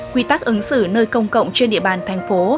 quy tắc ứng xử nơi công cộng trên địa bàn thành phố